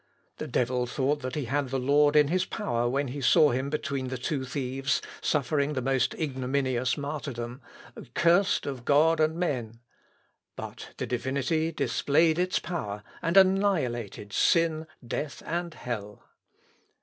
The devil thought that he had the Lord in his power when he saw him between the two thieves, suffering the most ignominious martyrdom, accursed of God and men.... But the Divinity displayed its power, and annihilated sin, death, and hell....